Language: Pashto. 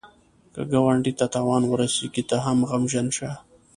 که ګاونډي ته تاوان ورسېږي، ته هم غمژن شه